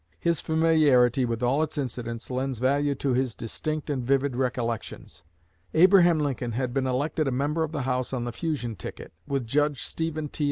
His familiarity with all its incidents lends value to his distinct and vivid recollections. "Abraham Lincoln had been elected a member of the House on the Fusion ticket, with Judge Stephen T.